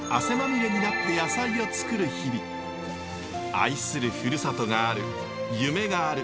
愛するふるさとがある夢がある。